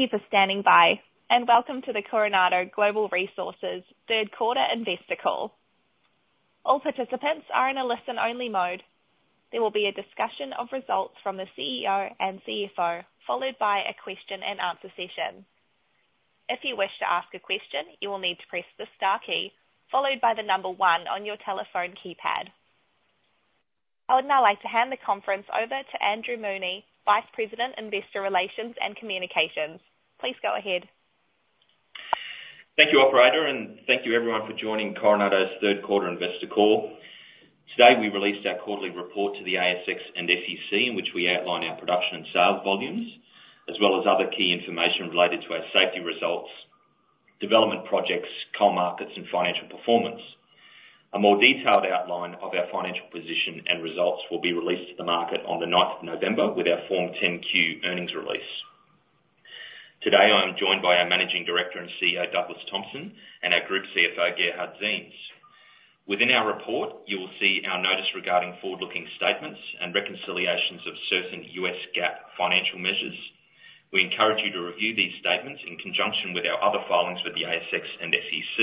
Thank you for standing by, and welcome to the Coronado Global Resources third quarter investor call. All participants are in a listen-only mode. There will be a discussion of results from the CEO and CFO, followed by a question-and-answer session. If you wish to ask a question, you will need to press the * key, followed by the number one on your telephone keypad. I would now like to hand the conference over to Andrew Mooney, Vice President, Investor Relations and Communications. Please go ahead. Thank you, operator, and thank you everyone for joining Coronado's third quarter investor call. Today, we released our quarterly report to the ASX and SEC, in which we outline our production and sales volumes, as well as other key information related to our safety results, development projects, coal markets, and financial performance. A more detailed outline of our financial position and results will be released to the market on the ninth of November with our Form 10-Q earnings release. Today, I am joined by our Managing Director and CEO, Douglas Thompson, and our Group CFO, Gerhard Ziems. Within our report, you will see our notice regarding forward-looking statements and reconciliations of certain U.S. GAAP financial measures. We encourage you to review these statements in conjunction with our other filings with the ASX and SEC.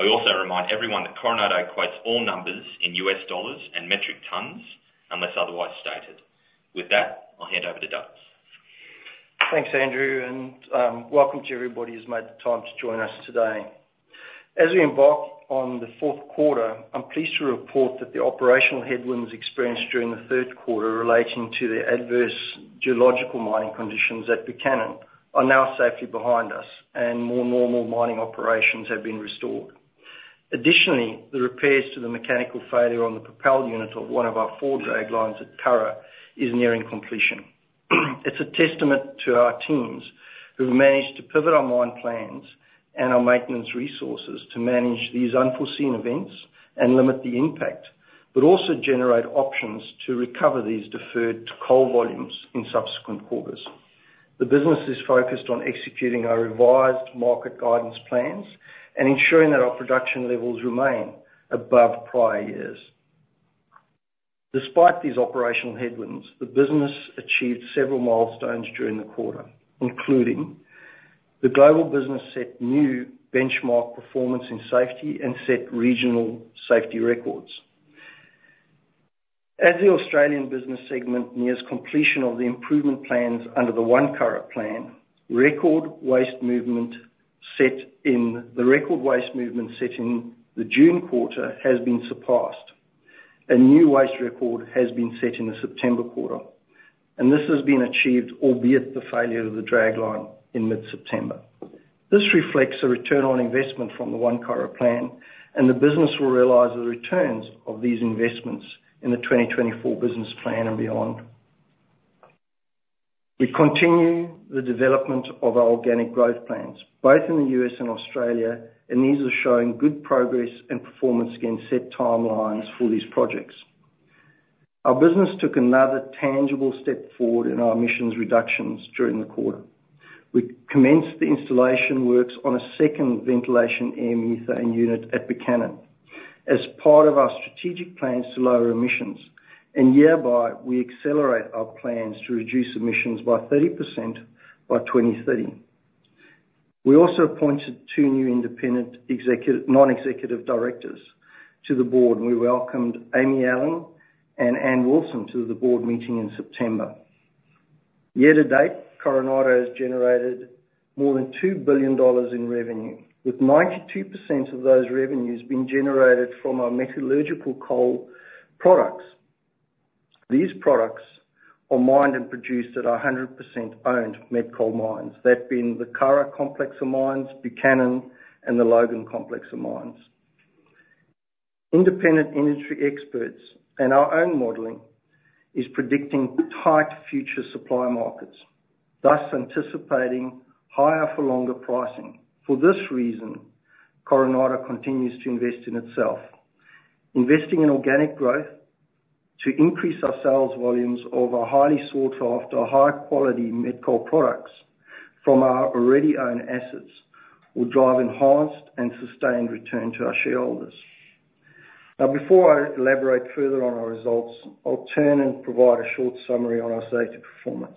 I also remind everyone that Coronado quotes all numbers in U.S., dollars and metric tons, unless otherwise stated. With that, I'll hand over to Douglas. Thanks, Andrew, and welcome to everybody who's made the time to join us today. As we embark on the fourth quarter, I'm pleased to report that the operational headwinds experienced during the third quarter relating to the adverse geological mining conditions at Buchanan are now safely behind us, and more normal mining operations have been restored. Additionally, the repairs to the mechanical failure on the propel unit of one of our four draglines at Curragh is nearing completion. It's a testament to our teams who've managed to pivot our mine plans and our maintenance resources to manage these unforeseen events and limit the impact, but also generate options to recover these deferred coal volumes in subsequent quarters. The business is focused on executing our revised market guidance plans and ensuring that our production levels remain above prior years. Despite these operational headwinds, the business achieved several milestones during the quarter, including: the global business set new benchmark performance in safety and set regional safety records. As the Australian business segment nears completion of the improvement plans under the One Curragh Plan, record waste movement set in, the record waste movement set in the June quarter has been surpassed. A new waste record has been set in the September quarter, and this has been achieved albeit the failure of the dragline in mid-September. This reflects a return on investment from the One Curragh Plan, and the business will realize the returns of these investments in the 2024 business plan and beyond. We continue the development of our organic growth plans, both in the U.S., and Australia, and these are showing good progress and performance against set timelines for these projects. Our business took another tangible step forward in our emissions reductions during the quarter. We commenced the installation works on a second ventilation air methane unit at Buchanan as part of our strategic plans to lower emissions, and hereby, we accelerate our plans to reduce emissions by 30% by 2030. We also appointed two new independent executive, non-executive directors to the board. We welcomed Aimee Allen and Andrea Sutton to the board meeting in September. Year to date, Coronado has generated more than $2 billion in revenue, with 92% of those revenues being generated from our metallurgical coal products. These products are mined and produced at our 100% owned met coal mines. That being the Curragh Complex of mines, Buchanan, and the Logan Complex of mines. Independent industry experts and our own modeling is predicting tight future supply markets, thus anticipating higher for longer pricing. For this reason, Coronado continues to invest in itself. Investing in organic growth to increase our sales volumes of our highly sought-after, high-quality met coal products from our already owned assets, will drive enhanced and sustained return to our shareholders. Now, before I elaborate further on our results, I'll turn and provide a short summary on our safety performance.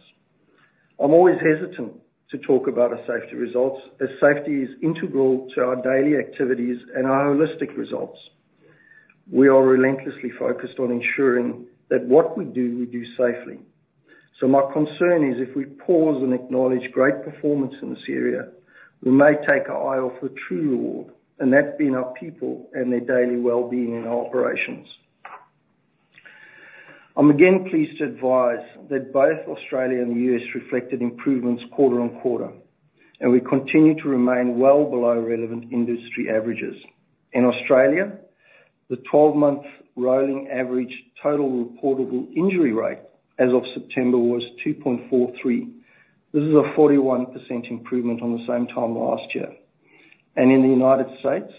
I'm always hesitant to talk about our safety results, as safety is integral to our daily activities and our holistic results. We are relentlessly focused on ensuring that what we do, we do safely. So my concern is, if we pause and acknowledge great performance in this area, we may take our eye off the true reward, and that's been our people and their daily well-being in our operations. I'm again pleased to advise that both Australia and the U.S., reflected improvements quarter on quarter, and we continue to remain well below relevant industry averages. In Australia, the 12-month rolling average total recordable injury rate as of September was 2.43. This is a 41% improvement on the same time last year. And in the United States,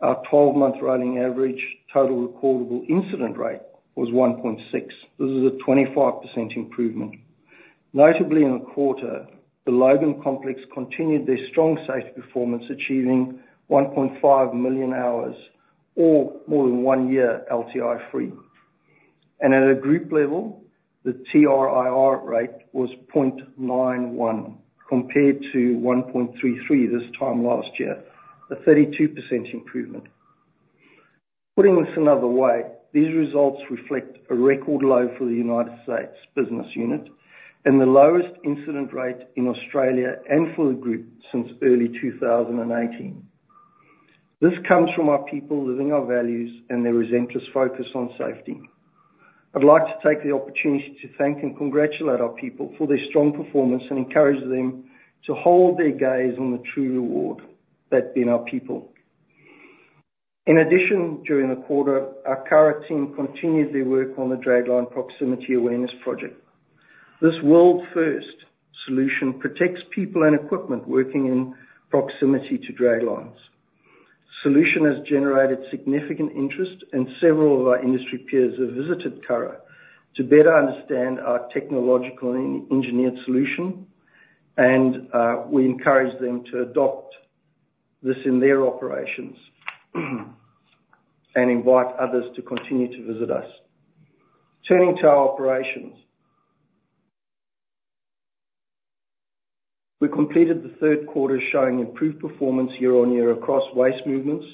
our 12-month rolling average total recordable incident rate was 1.6. This is a 25% improvement. Notably, in the quarter, the Logan Complex continued their strong safety performance, achieving 1.5 million hours, or more than 1 year LTI free. And at a group level, the TRIR rate was 0.91, compared to 1.33 this time last year, a 32% improvement. Putting this another way, these results reflect a record low for the United States business unit and the lowest incident rate in Australia and for the group since early 2018. This comes from our people living our values and their relentless focus on safety. I'd like to take the opportunity to thank and congratulate our people for their strong performance and encourage them to hold their gaze on the true reward. That being our people. In addition, during the quarter, our Curragh team continued their work on the dragline proximity awareness project. This world first solution protects people and equipment working in proximity to draglines. Solution has generated significant interest, and several of our industry peers have visited Curragh to better understand our technological engineered solution, and we encourage them to adopt this in their operations, and invite others to continue to visit us. Turning to our operations. We completed the third quarter, showing improved performance year-on-year across waste movements,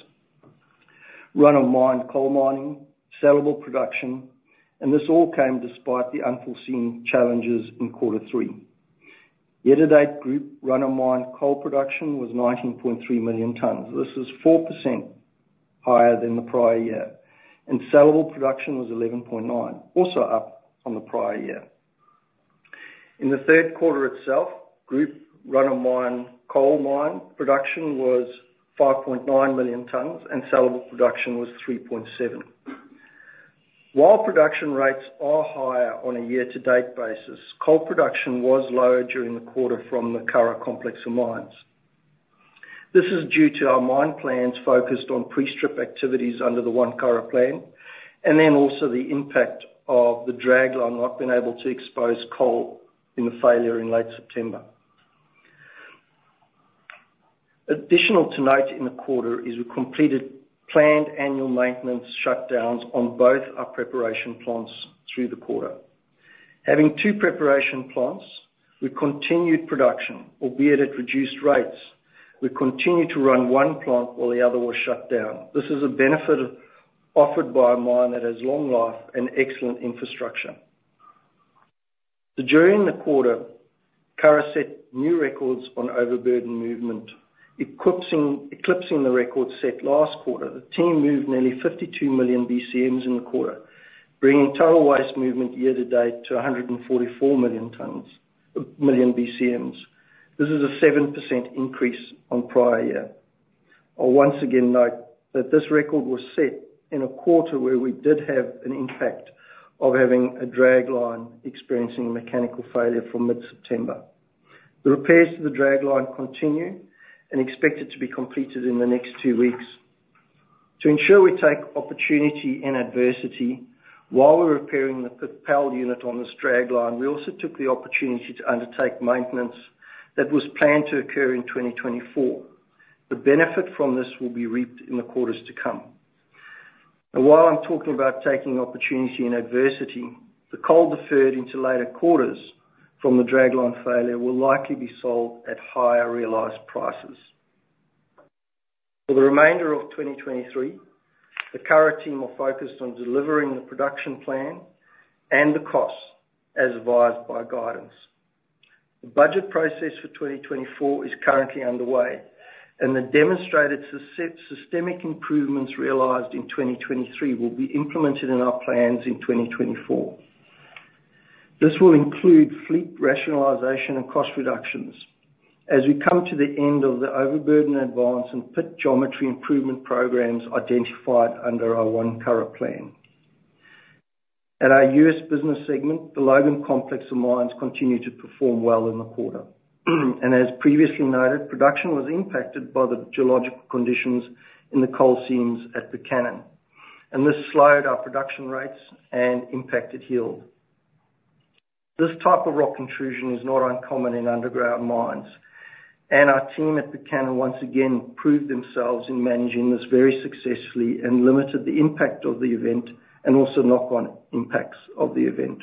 Run-of-Mine coal mining, sellable production, and this all came despite the unforeseen challenges in quarter three. Year-to-date group Run-of-Mine coal production was 19.3 million tons. This is 4% higher than the prior year, and sellable production was 11.9, also up from the prior year. In the third quarter itself, group Run-of-Mine coal mine production was 5.9 million tons, and sellable production was 3.7. While production rates are higher on a year-to-date basis, coal production was lower during the quarter from the Curragh Complex of mines. This is due to our mine plans focused on pre-strip activities under the One Curragh Plan, and then also the impact of the dragline not being able to expose coal in the failure in late September. Additional to note in the quarter is we completed planned annual maintenance shutdowns on both our preparation plants through the quarter. Having two preparation plants, we continued production, albeit at reduced rates. We continued to run one plant while the other was shut down. This is a benefit offered by a mine that has long life and excellent infrastructure. So during the quarter, Curragh set new records on overburden movement, eclipsing the records set last quarter. The team moved nearly 52 million BCMs in the quarter, bringing total waste movement year to date to 144 million BCMs. This is a 7% increase on prior year. I'll once again note that this record was set in a quarter where we did have an impact of having a dragline experiencing mechanical failure from mid-September. The repairs to the dragline continue and expected to be completed in the next two weeks. To ensure we take opportunity and adversity, while we're repairing the fifth propel unit on this dragline, we also took the opportunity to undertake maintenance that was planned to occur in 2024. The benefit from this will be reaped in the quarters to come. And while I'm talking about taking opportunity and adversity, the coal deferred into later quarters from the dragline failure will likely be sold at higher realized prices. For the remainder of 2023, the Curragh team are focused on delivering the production plan and the costs as advised by guidance. The budget process for 2024 is currently underway, and the demonstrated systemic improvements realized in 2023 will be implemented in our plans in 2024. This will include fleet rationalization and cost reductions as we come to the end of the overburden advance and pit geometry improvement programs identified under our One Curragh Plan. At our U.S., business segment, the Logan Complex of mines continued to perform well in the quarter. As previously noted, production was impacted by the geological conditions in the coal seams at the Buchanan, and this slowed our production rates and impacted yield. This type of rock intrusion is not uncommon in underground mines, and our team at the Buchanan once again proved themselves in managing this very successfully and limited the impact of the event and also knock-on impacts of the event.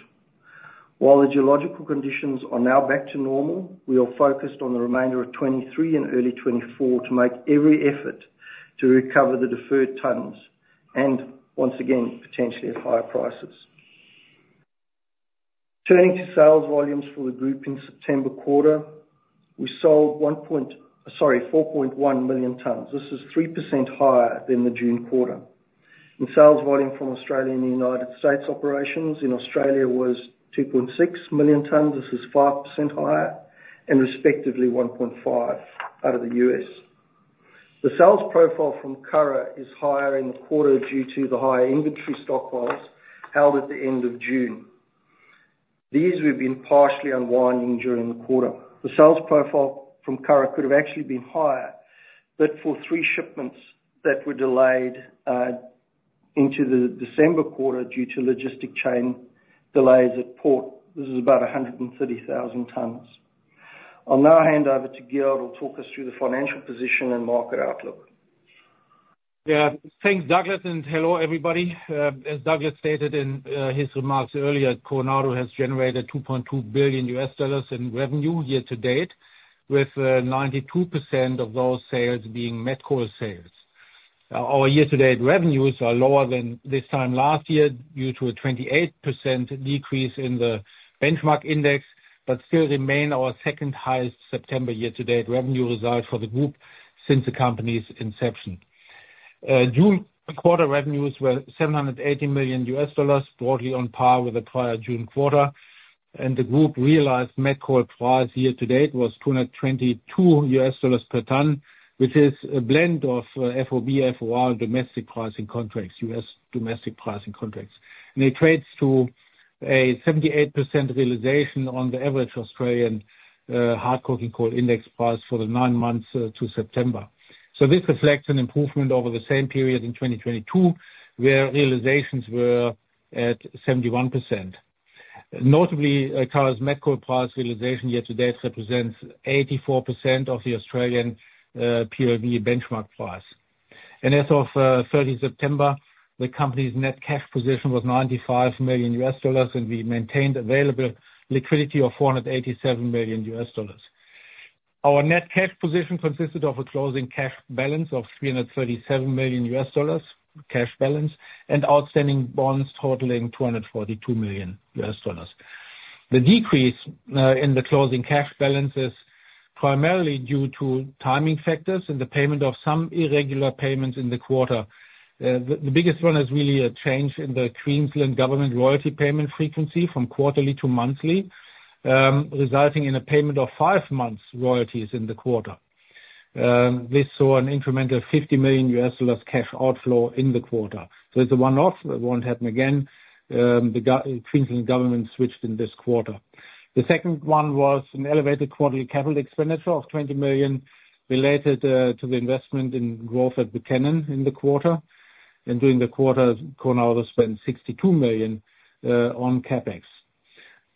While the geological conditions are now back to normal, we are focused on the remainder of 2023 and early 2024 to make every effort to recover the deferred tunnels and once again, potentially at higher prices. Turning to sales volumes for the group, in September quarter, we sold one point... Sorry, 4.1 million tons. This is 3% higher than the June quarter. In sales volume from Australia and the United States, operations in Australia was 2.6 million tons. This is 5% higher, and respectively 1.5 out of the U.S. The sales profile from Curragh is higher in the quarter due to the higher inventory stockpiles held at the end of June. These we've been partially unwinding during the quarter. The sales profile from Curragh could have actually been higher, but for three shipments that were delayed into the December quarter due to logistic chain delays at port; this is about 130,000 tons. I'll now hand over to Gerhard, who will talk us through the financial position and market outlook.... Yeah, thanks, Douglas, and hello, everybody. As Douglas stated in his remarks earlier, Coronado has generated $2.2 billion in revenue year to date, with 92% of those sales being met coal sales. Our year to date revenues are lower than this time last year, due to a 28% decrease in the benchmark index, but still remain our second highest September year to date revenue result for the group since the company's inception. June quarter revenues were $780 million, broadly on par with the prior June quarter, and the group realized met coal price year to date was $222 per ton, which is a blend of FOB, FOR domestic pricing contracts, U.S., domestic pricing contracts. It trades to a 78% realization on the average Australian hard coking coal index price for the nine months to September. This reflects an improvement over the same period in 2022, where realizations were at 71%. Notably, Coronado's, met coal price realization year to date represents 84% of the Australian FOB benchmark price. As of 30 September, the company's net cash position was $95 million, and we maintained available liquidity of $487 million. Our net cash position consisted of a closing cash balance of $337 million cash balance, and outstanding bonds totaling $242 million. The decrease in the closing cash balance is primarily due to timing factors and the payment of some irregular payments in the quarter. The biggest one is really a change in the Queensland Government royalty payment frequency from quarterly to monthly, resulting in a payment of 5 months royalties in the quarter. This saw an incremental $50 million cash outflow in the quarter. So it's a one-off, it won't happen again. The Queensland Government switched in this quarter. The second one was an elevated quarterly capital expenditure of $20 million related to the investment in growth at Buchanan in the quarter. During the quarter, Coronado spent $62 million on CapEx.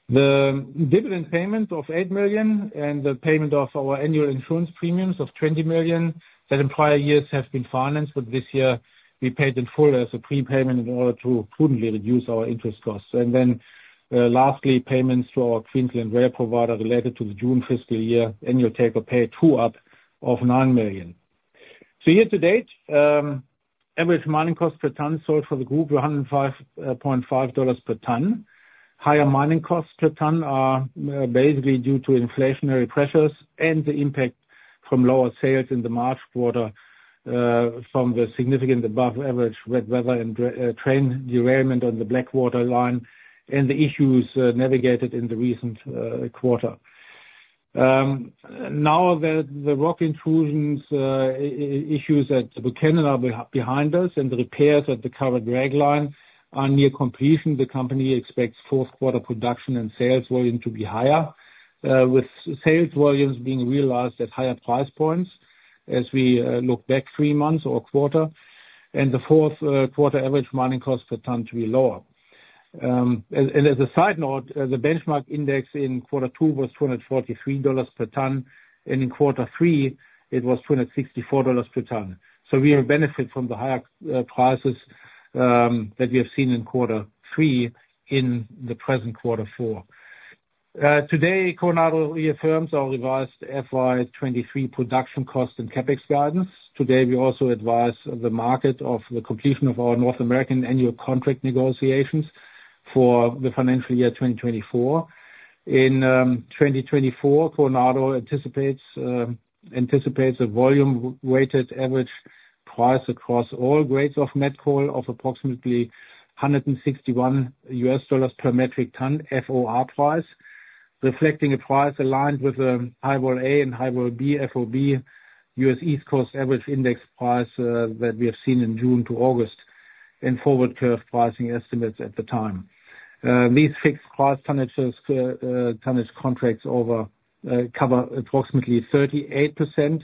The dividend payment of $8 million and the payment of our annual insurance premiums of $20 million, that in prior years has been financed, but this year we paid in full as a prepayment in order to prudently reduce our interest costs. And then, lastly, payments to our Queensland Rail provider related to the June fiscal year annual take or pay true up of $9 million. So year to date, average mining cost per ton sold for the group, $105.5 per ton. Higher mining costs per ton are, basically due to inflationary pressures and the impact from lower sales in the March quarter, from the significant above average wet weather and train derailment on the Blackwater line and the issues, navigated in the recent quarter. Now that the rock intrusions issues at Buchanan are behind us and the repairs at the Curragh dragline are near completion, the company expects fourth quarter production and sales volume to be higher, with sales volumes being realized at higher price points as we look back three months or a quarter, and the fourth quarter average mining cost per ton to be lower. And as a side note, the benchmark index in quarter two was $243 per ton, and in quarter three, it was $264 per ton. So we are benefit from the higher prices that we have seen in quarter three in the present quarter four. Today, Coronado reaffirms our revised FY 2023 production costs and CapEx guidance. Today, we also advise the market of the completion of our North American annual contract negotiations for the financial year 2024. In 2024, Coronado anticipates anticipates a volume weighted average price across all grades of met coal of approximately $161 per metric ton FOR price, reflecting a price aligned with High Vol A and High Vol B, FOB, U.S., East Coast average index price that we have seen in June to August in forward curve pricing estimates at the time. These fixed price tonnages tonnage contracts cover approximately 38%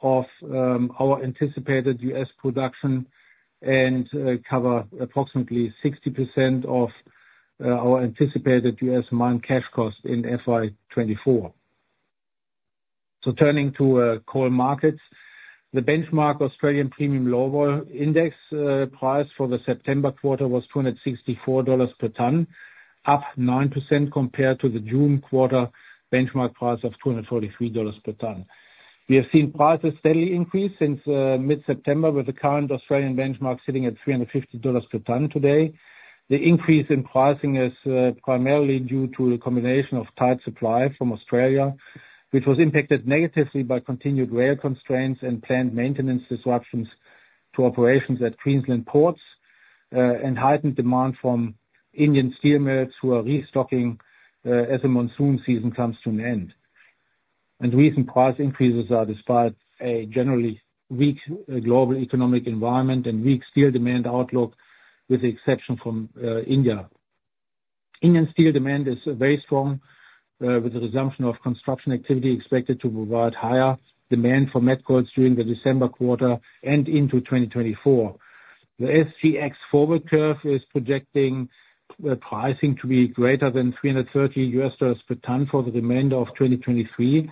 of our anticipated U.S., production and cover approximately 60% of our anticipated U.S., mined cash cost in FY 2024. So turning to coal markets, the benchmark Australian premium low vol index price for the September quarter was $264 per ton, up 9% compared to the June quarter benchmark price of $243 per ton. We have seen prices steadily increase since mid-September, with the current Australian benchmark sitting at $350 per ton today. The increase in pricing is primarily due to a combination of tight supply from Australia, which was impacted negatively by continued rail constraints and plant maintenance disruptions to operations at Queensland ports, and heightened demand from Indian steel mills who are restocking as the monsoon season comes to an end. And recent price increases are despite a generally weak global economic environment and weak steel demand outlook, with the exception from India. Indian steel demand is very strong, with the resumption of construction activity expected to provide higher demand for met coals during the December quarter and into 2024. The SGX forward curve is projecting pricing to be greater than $330 per ton for the remainder of 2023,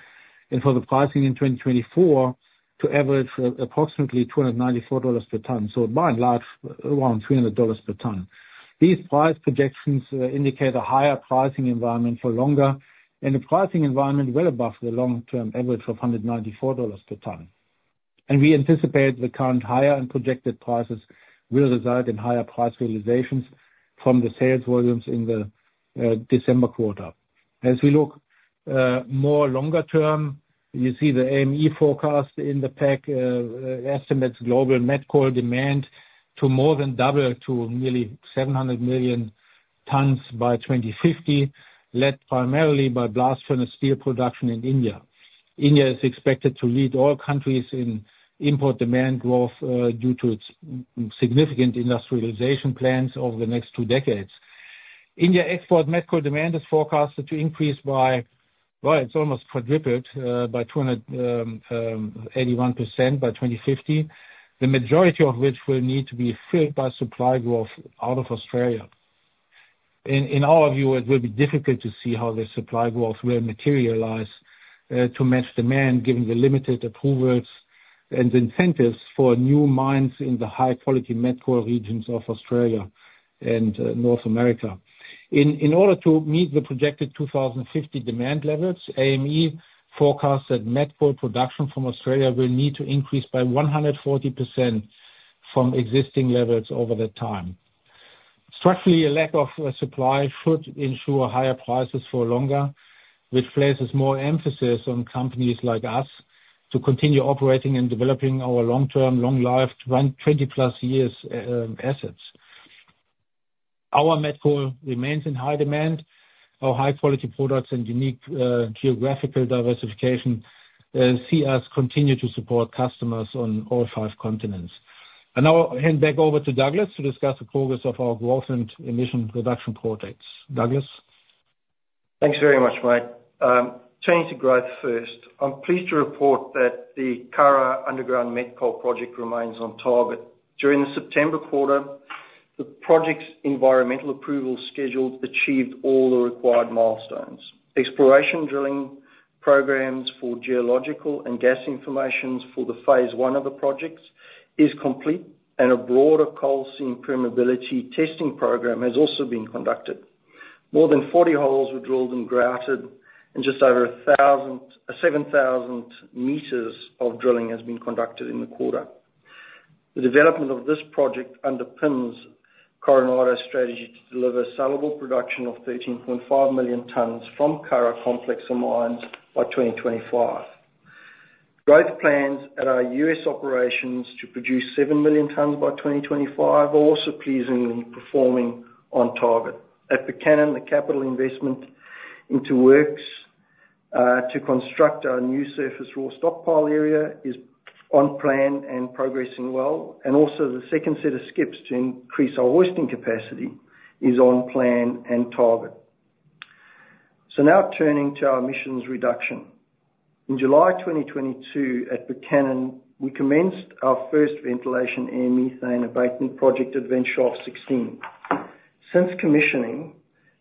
and for the pricing in 2024, to average approximately $294 per ton, so by and large, around $300 per ton. These price projections indicate a higher pricing environment for longer, and a pricing environment well above the long-term average of $194 per ton. And we anticipate the current higher end projected prices will result in higher price realizations from the sales volumes in the December quarter. As we look more longer term, you see the AME forecast in the pack, estimates global met coal demand to more than double to nearly 700 million tons by 2050, led primarily by blast furnace steel production in India. India is expected to lead all countries in import demand growth, due to its significant industrialization plans over the next two decades. India export met coal demand is forecasted to increase by, well, it's almost quadrupled, by 281% by 2050, the majority of which will need to be filled by supply growth out of Australia. In our view, it will be difficult to see how the supply growth will materialize to match demand, given the limited approvals and incentives for new mines in the high-quality met coal regions of Australia and North America. In order to meet the projected 2050 demand levels, AME forecasts that met coal production from Australia will need to increase by 140% from existing levels over that time. Structurally, a lack of supply should ensure higher prices for longer, which places more emphasis on companies like us to continue operating and developing our long-term, long-life, 20+ years assets. Our met coal remains in high demand. Our high-quality products and unique geographical diversification see us continue to support customers on all five continents. I now hand back over to Douglas to discuss the progress of our growth and emission reduction projects. Douglas? Thanks very much, mate. Turning to growth first. I'm pleased to report that the Curragh Underground Met Coal Project remains on target. During the September quarter, the project's environmental approval schedule achieved all the required milestones. Exploration drilling programs for geological and gas information for the phase one of the project is complete, and a broader coal seam permeability testing program has also been conducted. More than 40 holes were drilled and grouted, and just over seven thousand meters of drilling has been conducted in the quarter. The development of this project underpins Coronado's strategy to deliver sellable production of 13.5 million tons from Curragh Complex and mines by 2025. Growth plans at our U.S., operations to produce 7 million tons by 2025 are also pleasingly performing on target. At Buchanan, the capital investment into works to construct our new surface raw stockpile area is on plan and progressing well, and also the second set of skips to increase our hoisting capacity is on plan and target. So now turning to our emissions reduction. In July 2022, at Buchanan, we commenced our first ventilation air methane abatement project at Vent Shaft 16. Since commissioning,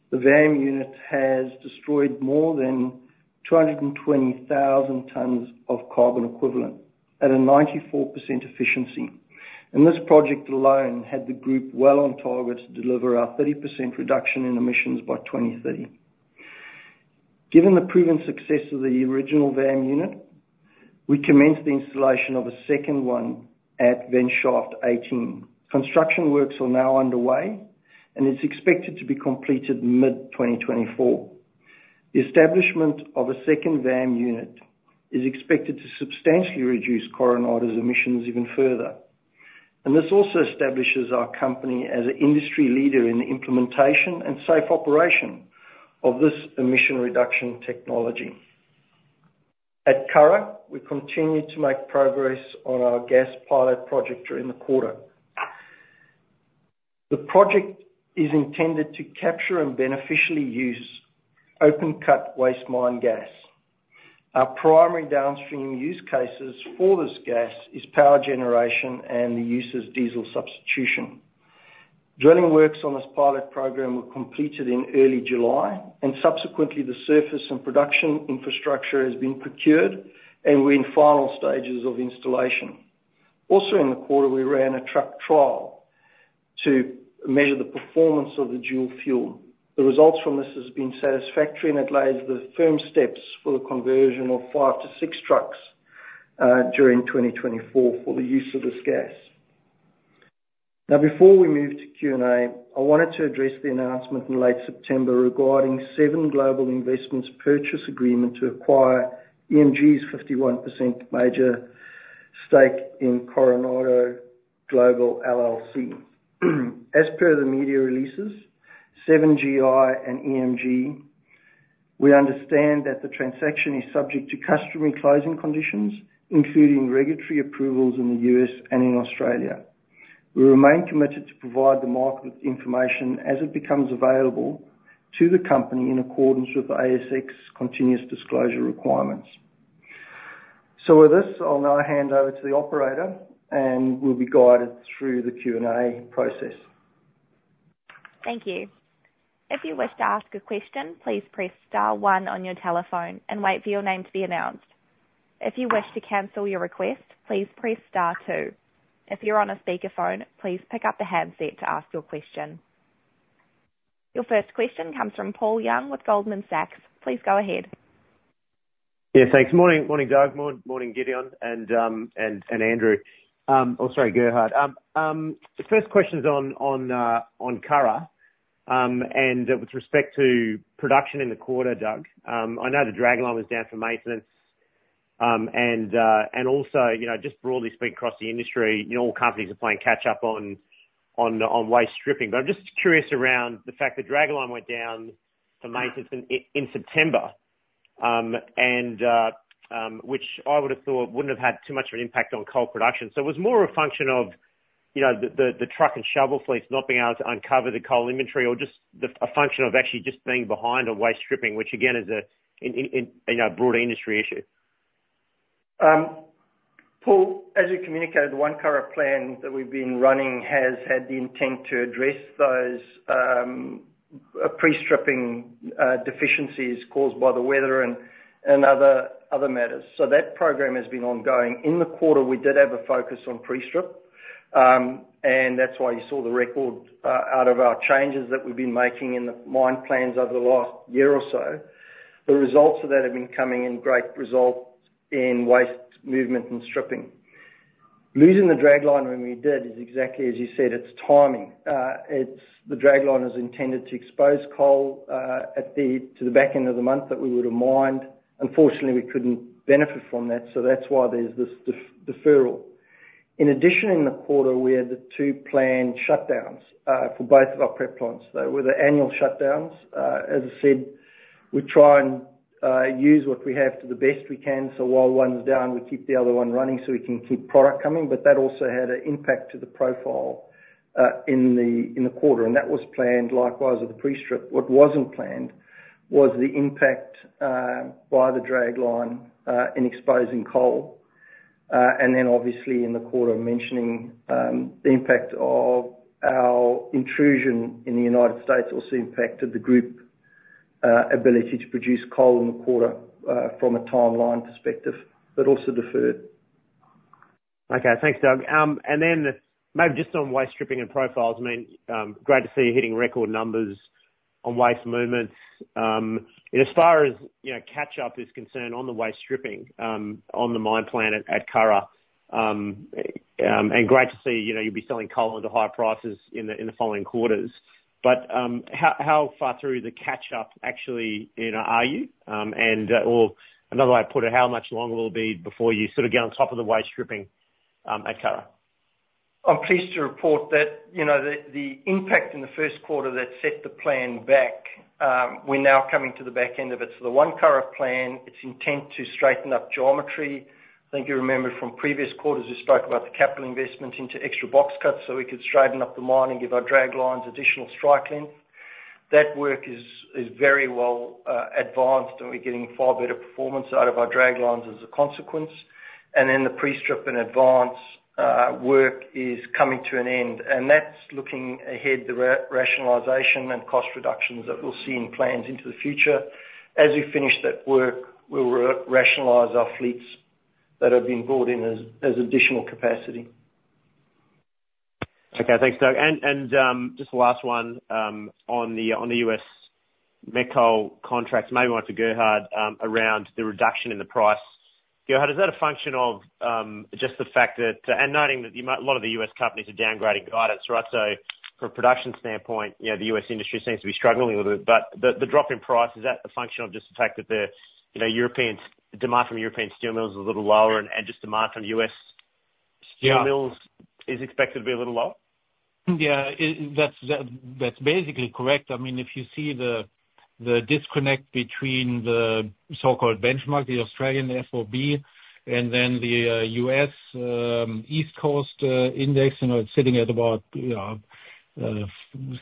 the VAM unit has destroyed more than 220,000 tons of carbon equivalent at a 94% efficiency, and this project alone had the group well on target to deliver our 30% reduction in emissions by 2030. Given the proven success of the original VAM unit, we commenced the installation of a second one at Vent Shaft 18. Construction works are now underway, and it's expected to be completed mid-2024. The establishment of a second VAM unit is expected to substantially reduce Coronado's emissions even further, and this also establishes our company as an industry leader in the implementation and safe operation of this emission reduction technology. At Curragh, we continued to make progress on our gas pilot project during the quarter. The project is intended to capture and beneficially use open-cut waste mine gas. Our primary downstream use cases for this gas is power generation and the use as diesel substitution. Drilling works on this pilot program were completed in early July, and subsequently, the surface and production infrastructure has been procured, and we're in final stages of installation. Also, in the quarter, we ran a truck trial to measure the performance of the dual fuel. The results from this has been satisfactory, and it lays the firm steps for the conversion of 5-6 trucks during 2024 for the use of this gas. Now, before we move to Q&A, I wanted to address the announcement in late September regarding Sev.en Global Investments purchase agreement to acquire EMG's 51% major stake in Coronado Global LLC. As per the media releases, 7GI and EMG, we understand that the transaction is subject to customary closing conditions, including regulatory approvals in the U.S., and in Australia. We remain committed to provide the market with information as it becomes available to the company in accordance with the ASX continuous disclosure requirements. So with this, I'll now hand over to the operator, and we'll be guided through the Q&A process. Thank you. If you wish to ask a question, please press * one on your telephone and wait for your name to be announced. If you wish to cancel your request, please press * two. If you're on a speakerphone, please pick up the handset to ask your question. Your first question comes from Paul Young with Goldman Sachs. Please go ahead. Yeah, thanks. Morning, morning, Doug. Morning, Gideon, and Andrew. Oh, sorry, Gerhard. The first question is on Curragh, and with respect to production in the quarter, Doug. I know the dragline was down for maintenance, and also, you know, just broadly speaking, across the industry, you know, all companies are playing catch up on waste stripping. But I'm just curious around the fact that dragline went down for maintenance in September, which I would have thought wouldn't have had too much of an impact on coal production. So it was more a function of, you know, the truck and shovel fleets not being able to uncover the coal inventory, or just a function of actually just being behind on waste stripping, which again is a, you know, a broader industry issue. Paul, as you communicated, the One Curragh Plan that we've been running has had the intent to address those, pre-stripping, deficiencies caused by the weather and other matters. So that program has been ongoing. In the quarter, we did have a focus on pre-strip, and that's why you saw the record output of our changes that we've been making in the mine plans over the last year or so. The results of that have been coming in great results in waste movement and stripping. Losing the dragline when we did, is exactly as you said, it's timing. It's the dragline is intended to expose coal, at the back end of the month that we would have mined. Unfortunately, we couldn't benefit from that, so that's why there's this deferral. In addition, in the quarter, we had the two planned shutdowns for both of our prep plants. They were the annual shutdowns. As I said, we try and use what we have to the best we can, so while one's down, we keep the other one running so we can keep product coming. But that also had an impact to the profile in the quarter, and that was planned, likewise, with the pre-strip. What wasn't planned was the impact by the dragline in exposing coal. And then obviously in the quarter, mentioning the impact of our intrusion in the United States also impacted the group ability to produce coal in the quarter from a timeline perspective, but also deferred. Okay, thanks, Doug. And then maybe just on waste stripping and profiles, I mean, great to see you hitting record numbers on waste movements. As far as, you know, catch up is concerned, on the waste stripping, on the mine plan at Curragh, and great to see, you know, you'll be selling coal at the higher prices in the following quarters. But how far through the catch up actually, you know, are you? And, or another way to put it, how much longer will it be before you sort of get on top of the waste stripping at Curragh? I'm pleased to report that, you know, the impact in the first quarter that set the plan back, we're now coming to the back end of it. So the One Curragh Plan, it's intent to straighten up geometry. I think you remember from previous quarters, we spoke about the capital investment into extra box cuts so we could straighten up the mine and give our draglines additional strike length. That work is very well advanced, and we're getting far better performance out of our draglines as a consequence. And then the pre-strip and advance work is coming to an end, and that's looking ahead, the rationalization and cost reductions that we'll see in plans into the future. As we finish that work, we'll rationalize our fleets that have been brought in as additional capacity. Okay, thanks, Doug. Just the last one on the U.S., met coal contracts, maybe went to Gerhard around the reduction in the price. Gerhard, is that a function of just the fact that, and noting that a lot of the U.S., companies are downgrading guidance, right? So from a production standpoint, you know, the U.S., industry seems to be struggling with it. But the drop in price, is that a function of just the fact that the, you know, European demand from European steel mills is a little lower and just demand from U.S., steel mills- Yeah. Is expected to be a little lower? Yeah, that's basically correct. I mean, if you see the disconnect between the so-called benchmark, the Australian FOB, and then the U.S., East Coast index, you know, it's sitting at about, you know,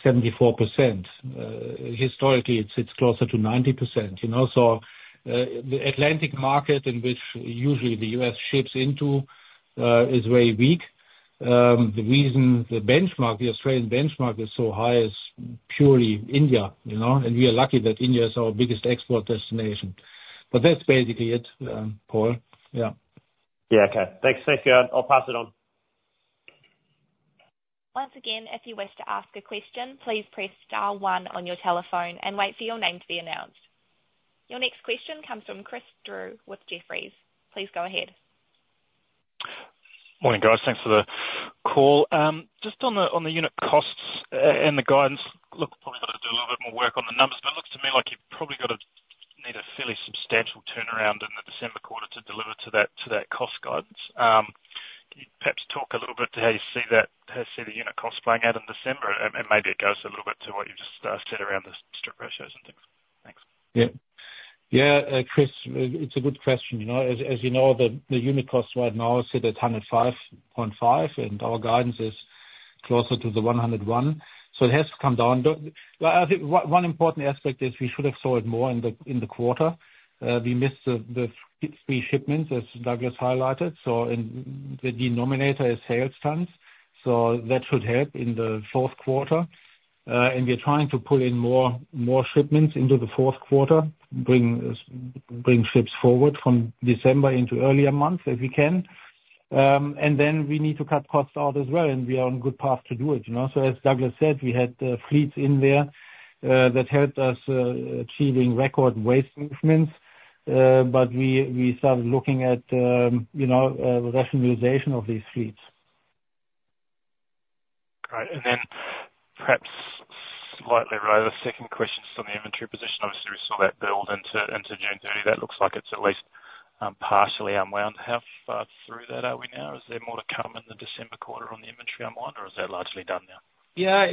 74%. Historically, it's closer to 90%, you know? So, the Atlantic market, in which usually the U.S., ships into, is very weak. The reason the benchmark, the Australian benchmark, is so high is purely India, you know, and we are lucky that India is our biggest export destination. But that's basically it, Paul. Yeah. Yeah, okay. Thanks, Gerhard. I'll pass it on. Once again, if you wish to ask a question, please press * one on your telephone and wait for your name to be announced. Your next question comes from Chris Drew with Jefferies. Please go ahead. Morning, guys. Thanks for the call. Just on the unit costs and the guidance, look, probably got to do a little bit more work on the numbers, but it looks to me like you've probably got a need a fairly substantial turnaround in the December quarter to deliver to that, to that cost guidance. Can you perhaps talk a little bit to how you see that, how you see the unit costs playing out in December? And maybe it goes a little bit to what you just said around the strip ratios and things. Thanks. Yeah. Yeah, Chris, it's a good question. You know, as, as you know, the, the unit cost right now is sit at $105.5, and our guidance is closer to the $101. So it has to come down. But, well, I think one, one important aspect is we should have saw it more in the, in the quarter. We missed the, the three shipments, as Douglas highlighted, so and the denominator is sales tons, so that should help in the fourth quarter. And we're trying to pull in more, more shipments into the fourth quarter. Bring, bring ships forward from December into earlier months, if we can. And then we need to cut costs out as well, and we are on good path to do it, you know? So as Douglas said, we had fleets in there that helped us achieving record waste movements. But we started looking at, you know, rationalization of these fleets. Great. And then perhaps slightly rather, second question is on the inventory position. Obviously, we saw that build into June, that looks like it's at least partially unwound. How far through that are we now? Is there more to come in the December quarter on the inventory unwind, or is that largely done now? Yeah,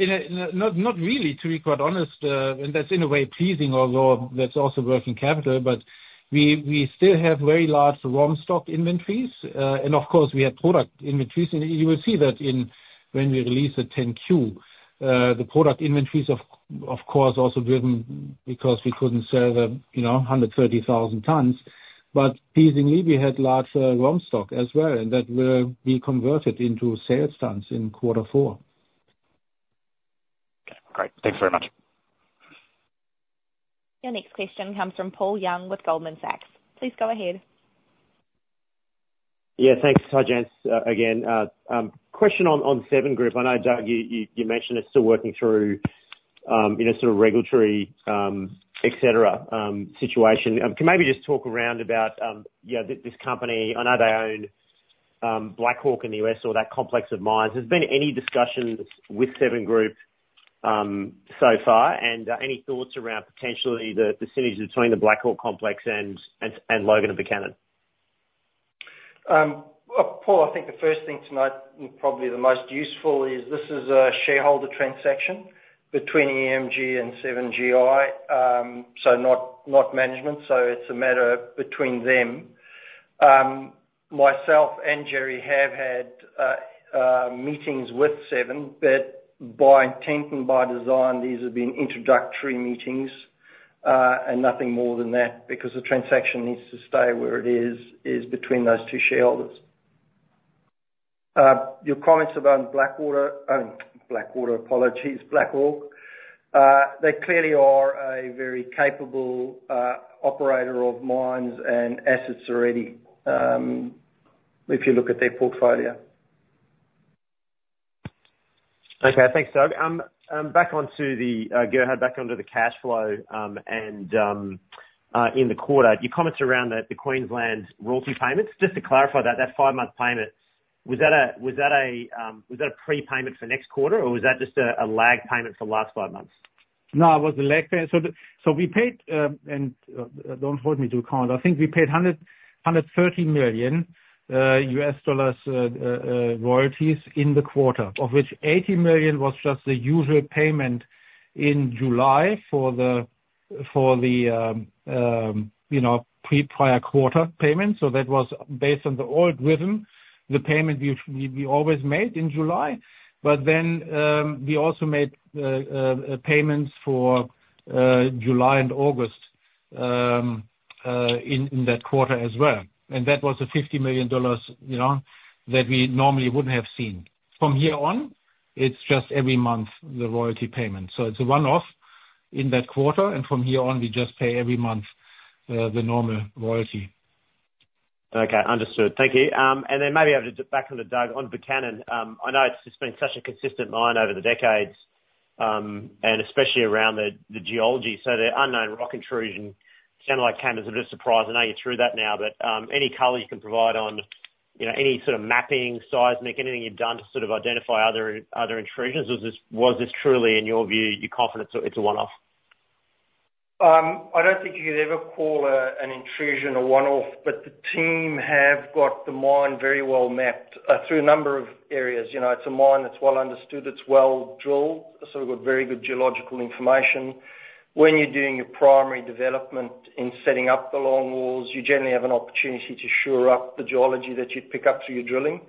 no, not really, to be quite honest, and that's in a way pleasing, although that's also working capital. But we still have very large raw stock inventories. And of course, we have product inventories, and you will see that in when we release the 10-Q. The product inventories, of course, also driven because we couldn't sell, you know, 130,000 tons. But pleasingly, we had large raw stock as well, and that will be converted into sales tons in quarter four. Great. Thanks very much. Your next question comes from Paul Young with Goldman Sachs. Please go ahead. Yeah, thanks. Hi, Jans, again. Question on Seven Global. I know, Doug, you mentioned it's still working through you know sort of regulatory et cetera situation. Can maybe just talk around about you know this company. I know they own Blackhawk in the U.S., or that complex of mines. Has been any discussions with Seven Global so far? And any thoughts around potentially the synergies between the Blackhawk complex and Logan and Buchanan? Well, Paul, I think the first thing tonight, and probably the most useful, is this is a shareholder transaction between EMG and Seven GI. So not, not management, so it's a matter between them. Myself and Gerry have had meetings with Seven, but by intent and by design, these have been introductory meetings, and nothing more than that, because the transaction needs to stay where it is, is between those two shareholders. Your comments about Blackwater, Blackwater. Apologies, Blackhawk. They clearly are a very capable operator of mines and assets already, if you look at their portfolio. Okay. Thanks, Doug. Back onto Gerhard, back onto the cash flow and in the quarter, your comments around the Queensland royalty payments. Just to clarify that five-month payment, was that a prepayment for next quarter, or was that just a lag payment for the last five months? No, it was a lag payment. So we paid, don't hold me to count, I think we paid $130 million U.S., dollars royalties in the quarter, of which $80 million was just the usual payment in July for the, you know, pre-prior quarter payment. So that was based on the old rhythm, the payment we always made in July. But then, we also made payments for July and August, in that quarter as well. And that was a $50 million dollars, you know, that we normally wouldn't have seen. From here on, it's just every month, the royalty payment. So it's a one-off in that quarter, and from here on, we just pay every month, the normal royalty. Okay, understood. Thank you. And then maybe I have to dip back on the Doug, on Buchanan. I know it's just been such a consistent mine over the decades, and especially around the, the geology. So the unknown rock intrusion sounds like you were just surprised. I know you're through that now, but any color you can provide on, you know, any sort of mapping, seismic, anything you've done to sort of identify other, other intrusions, or is this—was this truly, in your view, you're confident it's a, it's a one-off? I don't think you could ever call an intrusion a one-off, but the team have got the mine very well mapped, through a number of areas. You know, it's a mine that's well understood, it's well drilled, so we've got very good geological information. When you're doing your primary development in setting up the long walls, you generally have an opportunity to shore up the geology that you'd pick up through your drilling.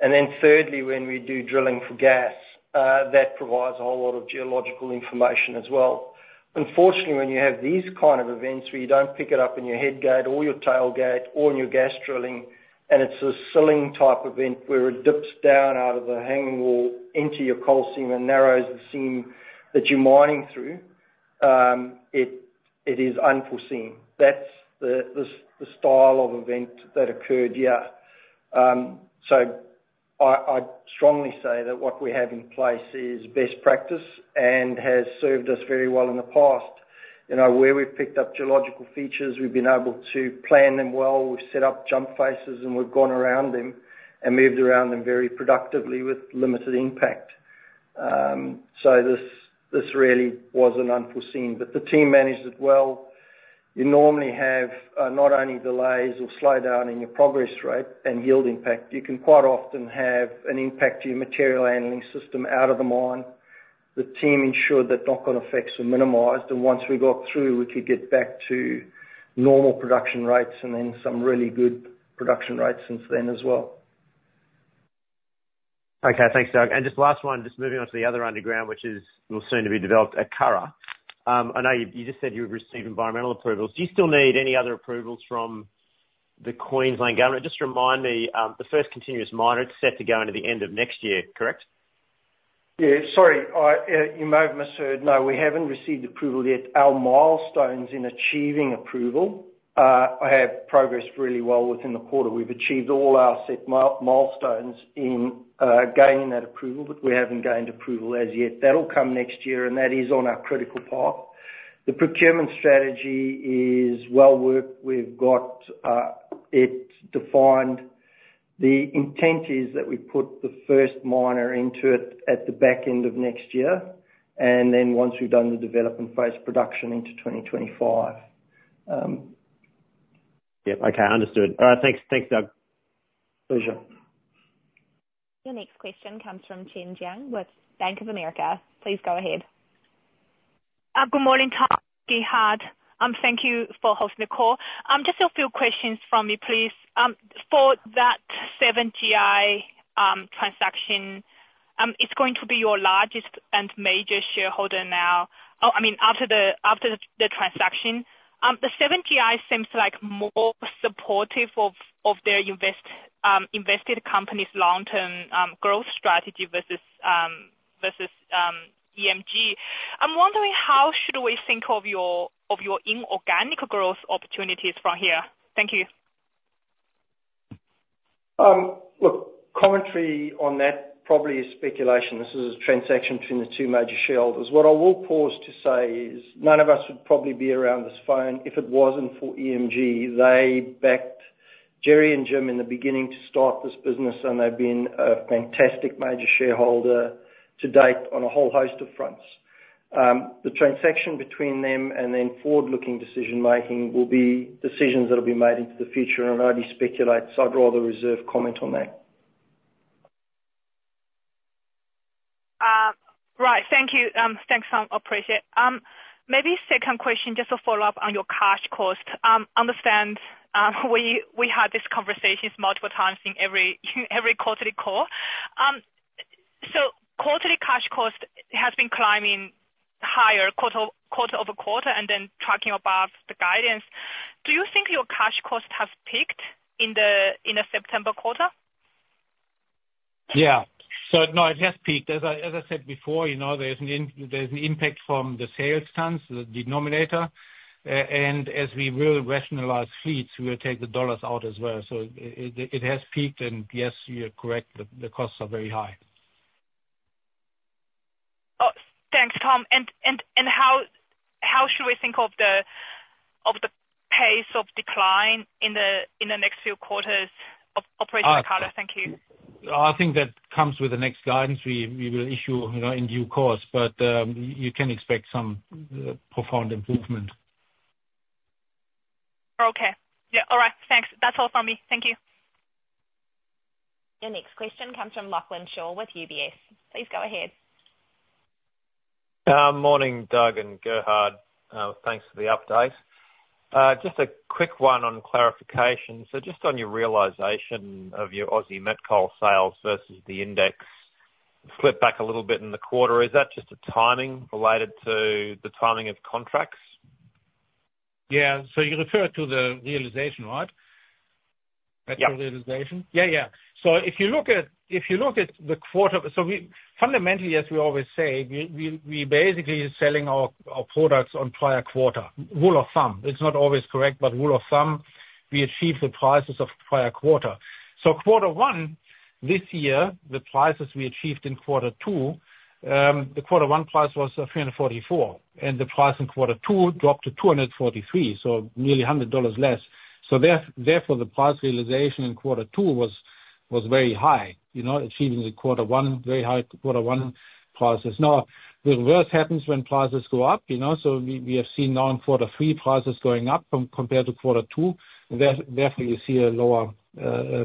And then thirdly, when we do drilling for gas, that provides a whole lot of geological information as well. Unfortunately, when you have these kind of events where you don't pick it up in your head gate or your tail gate or in your gas drilling, and it's a sealing-type event where it dips down out of the hanging wall into your coal seam and narrows the seam that you're mining through, it is unforeseen. That's the style of event that occurred here. So I'd strongly say that what we have in place is best practice and has served us very well in the past. You know, where we've picked up geological features, we've been able to plan them well. We've set up jump faces, and we've gone around them and moved around them very productively with limited impact. So this really was an unforeseen, but the team managed it well. You normally have not only delays or slowdown in your progress rate and yield impact, you can quite often have an impact to your material handling system out of the mine. The team ensured that knock-on effects were minimized, and once we got through, we could get back to normal production rates and then some really good production rates since then as well. Okay. Thanks, Doug. And just last one, just moving on to the other underground, which is, will soon to be developed at Curragh. I know you, you just said you've received environmental approvals. Do you still need any other approvals from the Queensland government? Just remind me, the first continuous mine, it's set to go into the end of next year, correct? Yeah. Sorry, you may have misheard. No, we haven't received approval yet. Our milestones in achieving approval have progressed really well within the quarter. We've achieved all our set milestones in gaining that approval, but we haven't gained approval as yet. That'll come next year, and that is on our critical path. The procurement strategy is well worked. We've got it defined. The intent is that we put the first miner into it at the back end of next year, and then once we've done the development phase, production into 2025. Yep. Okay, understood. All right, thanks. Thanks, Doug. Pleasure. Your next question comes from Chen Jiang with Bank of America. Please go ahead. Good morning, Tom, Gerhard. Thank you for hosting the call. Just a few questions from me, please. For that 7GI transaction, it's going to be your largest and major shareholder now... Oh, I mean, after the transaction. The 7GI seems like more supportive of their invested company's long-term growth strategy versus EMG. I'm wondering, how should we think of your inorganic growth opportunities from here? Thank you. Look, commentary on that probably is speculation. This is a transaction between the two major shareholders. What I will pause to say is, none of us would probably be around this phone if it wasn't for EMG. They backed Gerry and Jim in the beginning to start this business, and they've been a fantastic major shareholder to date on a whole host of fronts. The transaction between them and then forward-looking decision-making will be decisions that will be made into the future and only speculate, so I'd rather reserve comment on that. Right. Thank you. Thanks, I appreciate it. Maybe second question, just to follow up on your cash cost. Understand, we had these conversations multiple times in every quarterly call. So quarterly cash cost has been climbing higher quarter over quarter, and then tracking above the guidance. Do you think your cash cost has peaked in the September quarter? Yeah. So no, it has peaked. As I, as I said before, you know, there's an impact from the sales tons, the denominator. And as we will rationalize fleets, we will take the dollars out as well. So it has peaked, and yes, you're correct, the costs are very high. Oh, thanks, Tom. And how should we think of the pace of decline in the next few quarters of operational quarter? Thank you. I think that comes with the next guidance we will issue, you know, in due course, but you can expect some profound improvement. Okay. Yeah, all right. Thanks. That's all from me. Thank you. Your next question comes from Lachlan Shaw with UBS. Please go ahead. Morning, Doug and Gerhard. Thanks for the update. Just a quick one on clarification. So just on your realization of your Aussie met coal sales versus the index, slipped back a little bit in the quarter, is that just a timing related to the timing of contracts? Yeah. So you refer to the realization, right? Yeah. Realization? Yeah, yeah. So if you look at the quarter, fundamentally, as we always say, we basically are selling our products on prior quarter. Rule of thumb, it's not always correct, but rule of thumb, we achieve the prices of the prior quarter. So quarter one this year, the prices we achieved in quarter two, the quarter one price was $344, and the price in quarter two dropped to $243, so nearly $100 less. Therefore, the price realization in quarter two was very high, you know, achieving the quarter one, very high quarter one prices. Now, the reverse happens when prices go up, you know, so we have seen now in quarter three, prices going up from, compared to quarter two, therefore, you see a lower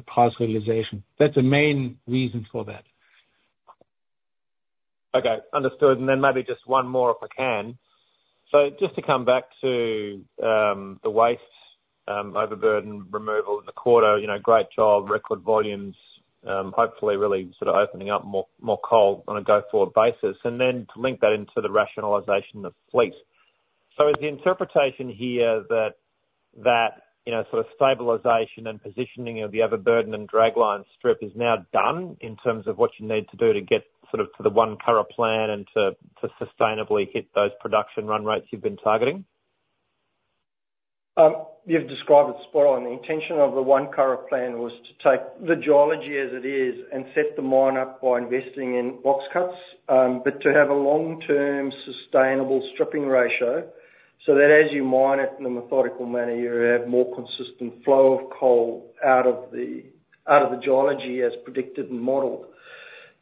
price realization. That's the main reason for that. Okay, understood. And then maybe just one more, if I can. So just to come back to, the waste, overburden removal in the quarter, you know, great job, record volumes, hopefully really sort of opening up more, more coal on a go-forward basis, and then to link that into the rationalization of fleet. So is the interpretation here that, you know, sort of stabilization and positioning of the overburden and dragline strip is now done in terms of what you need to do to get sort of to the One Curragh Plan and to sustainably hit those production run rates you've been targeting? You've described it spot on. The intention of the One Curragh Plan was to take the geology as it is and set the mine up by investing in box cuts, but to have a long-term sustainable stripping ratio, so that as you mine it in a methodical manner, you add more consistent flow of coal out of the geology as predicted and modeled.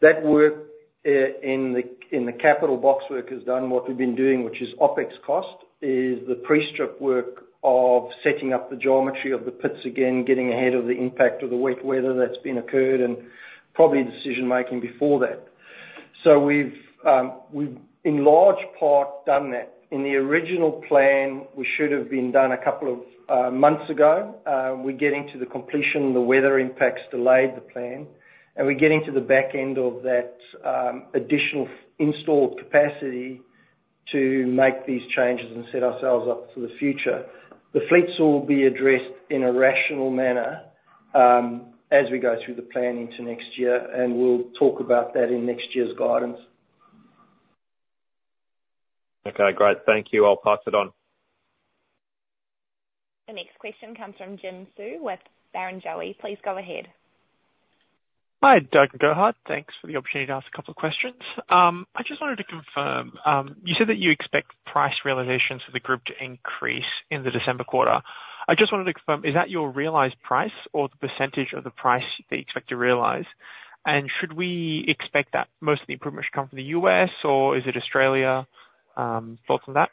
That work in the capital box work is done, what we've been doing, which is OpEx cost, is the pre-strip work of setting up the geometry of the pits again, getting ahead of the impact of the wet weather that's been occurred and probably the decision-making before that. So we've in large part done that. In the original plan, we should have been done a couple of months ago. We're getting to the completion, the weather impacts delayed the plan, and we're getting to the back end of that, additional installed capacity to make these changes and set ourselves up for the future. The fleets will be addressed in a rational manner, as we go through the planning to next year, and we'll talk about that in next year's guidance. Okay, great. Thank you. I'll pass it on. The next question comes from Jim Xu with Barrenjoey. Please go ahead. Hi, Doug and Gerhard. Thanks for the opportunity to ask a couple of questions. I just wanted to confirm, you said that you expect price realizations for the group to increase in the December quarter. I just wanted to confirm, is that your realized price or the percentage of the price that you expect to realize? And should we expect that most of the improvement should come from the U.S., or is it Australia? Thoughts on that?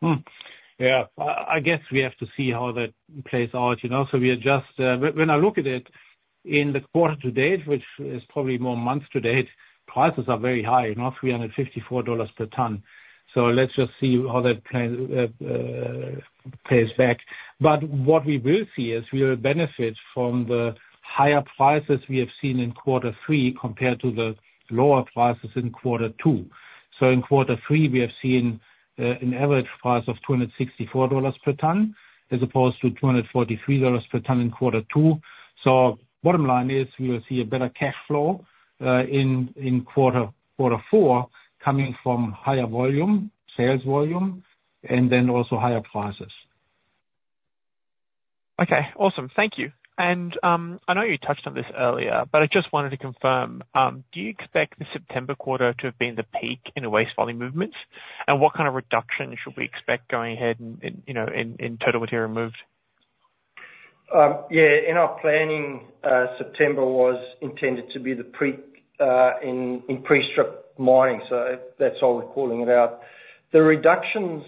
Hmm. Yeah. I guess we have to see how that plays out, you know. So we adjust. When I look at it, in the quarter to date, which is probably more months to date, prices are very high, you know, $354 per ton. So let's just see how that plan pays back. But what we will see is we will benefit from the higher prices we have seen in quarter three, compared to the lower prices in quarter two. So in quarter three, we have seen an average price of $264 per ton, as opposed to $243 per ton in quarter two. So bottom line is, we will see a better cash flow in quarter four, coming from higher volume, sales volume, and then also higher prices. Okay. Awesome. Thank you. And, I know you touched on this earlier, but I just wanted to confirm, do you expect the September quarter to have been the peak in the waste volume movements? And what kind of reduction should we expect going ahead in, you know, in total material moved? Yeah, in our planning, September was intended to be the peak in pre-strip mining, so that's how we're calling it out. The reductions,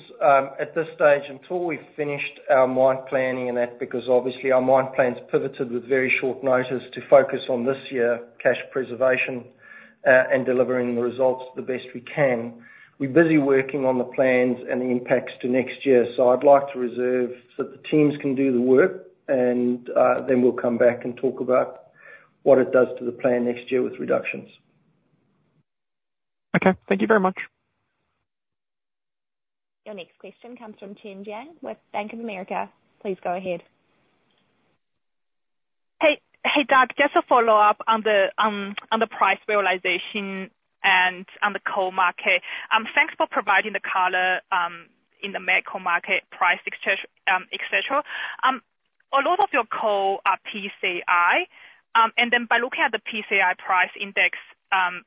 at this stage, until we've finished our mine planning and that, because obviously our mine plans pivoted with very short notice to focus on this year, cash preservation, and delivering the results the best we can. We're busy working on the plans and the impacts to next year, so I'd like to reserve so the teams can do the work, and then we'll come back and talk about what it does to the plan next year with reductions. Okay. Thank you very much. Your next question comes from Chen Jiang with Bank of America. Please go ahead. Hey, hey, Doug, just a follow-up on the price realization and on the coal market. Thanks for providing the color in the met coal market price, etc. A lot of your coal are PCI, and then by looking at the PCI price index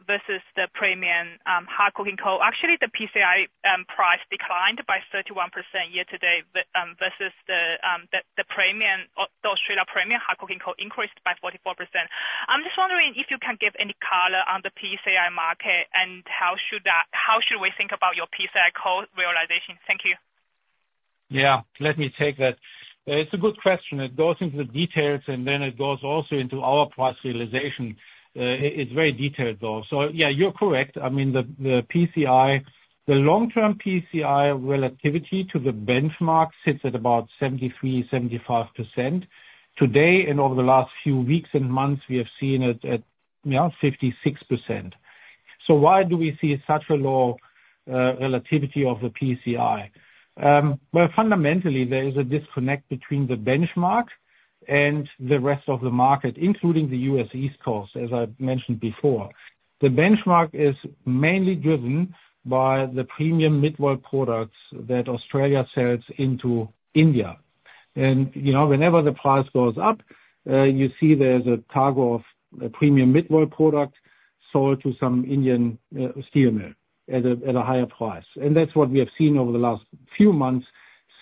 versus the premium hard coking coal, actually the PCI price declined by 31% year to date versus the premium or the Australian premium hard coking coal increased by 44%. I'm just wondering if you can give any color on the PCI market, and how should we think about your PCI coal realization? Thank you. Yeah, let me take that. It's a good question. It goes into the details, and then it goes also into our price realization. It's very detailed, though. So yeah, you're correct. I mean, the PCI, the long-term PCI relativity to the benchmark sits at about 73%-75%. Today, and over the last few weeks and months, we have seen it at, you know, 56%. So why do we see such a low relativity of the PCI? Well, fundamentally, there is a disconnect between the benchmark and the rest of the market, including the U.S., East Coast, as I've mentioned before. The benchmark is mainly driven by the premium mid-vol products that Australia sells into India. You know, whenever the price goes up, you see there's a cargo of premium mid-vol product sold to some Indian steel mill at a higher price. And that's what we have seen over the last few months,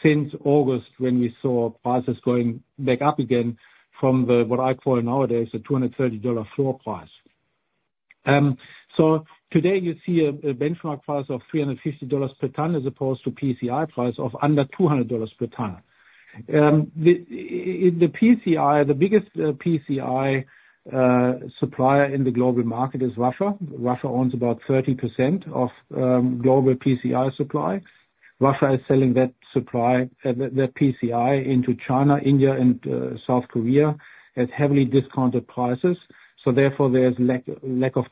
since August, when we saw prices going back up again from what I call nowadays the $230 floor price. So today you see a benchmark price of $350 per ton, as opposed to PCI price of under $200 per ton. In the PCI, the biggest PCI supplier in the global market is Russia. Russia owns about 30% of global PCI supply. Russia is selling that supply, the PCI into China, India, and South Korea at heavily discounted prices, so therefore, there's lack of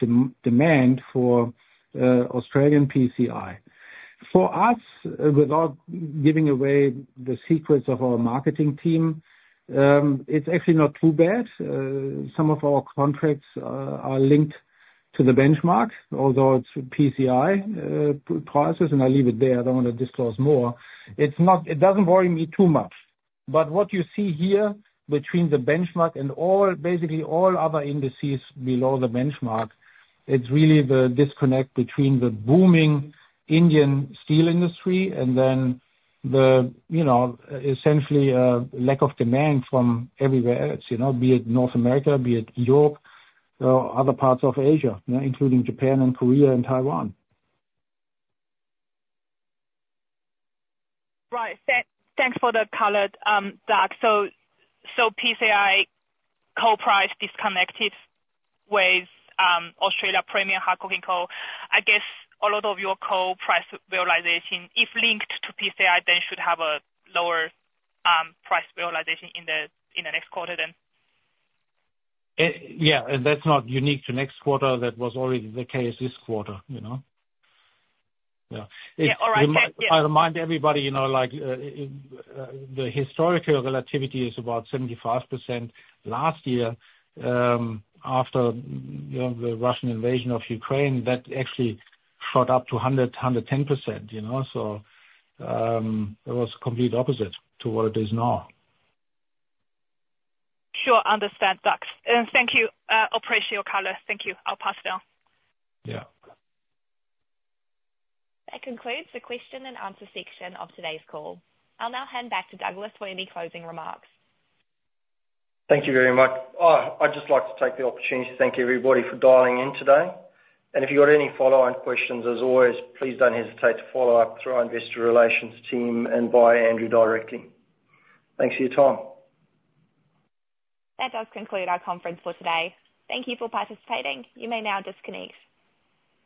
demand for Australian PCI. For us, without giving away the secrets of our marketing team, it's actually not too bad. Some of our contracts are linked to the benchmark, although it's PCI prices, and I'll leave it there. I don't want to disclose more. It's not. It doesn't worry me too much. But what you see here between the benchmark and all, basically all other indices below the benchmark, it's really the disconnect between the booming Indian steel industry and then the, you know, essentially, lack of demand from everywhere else, you know, be it North America, be it Europe, or other parts of Asia, you know, including Japan and Korea and Taiwan. Right. Thanks for the color, Doug. So, PCI coal price disconnected with Australian premium hard coking coal. I guess a lot of your coal price realization, if linked to PCI, then should have a lower price realization in the next quarter then? Yeah, and that's not unique to next quarter. That was already the case this quarter, you know? Yeah. Yeah, all right. Thank you. I remind everybody, you know, like, the historical relativity is about 75%. Last year, after, you know, the Russian invasion of Ukraine, that actually shot up to 110%, you know? It was complete opposite to what it is now. Sure. Understand, Doug. Thank you. Appreciate your color. Thank you. I'll pass now. Yeah. That concludes the question and answer section of today's call. I'll now hand back to Douglas for any closing remarks. Thank you very much. I'd just like to take the opportunity to thank everybody for dialing in today, and if you've got any follow-on questions, as always, please don't hesitate to follow up through our investor relations team and by Andrew directly. Thanks for your time. That does conclude our conference for today. Thank you for participating. You may now disconnect.